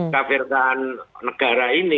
kafirkan negara ini